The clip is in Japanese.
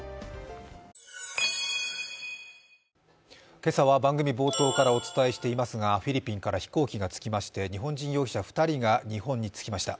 今朝は番組冒頭からお伝えしていますが、フィリピンから飛行機が着きまして日本人容疑者２人が日本に着きました。